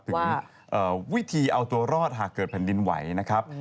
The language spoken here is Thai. ถึงวิธีเอาตัวรอดหากเกิดแผ่นดินไหวนะครับ